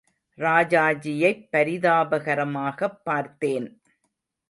ராஜாஜியைப் பரிதாபகரமாகப் பார்த்தேன்.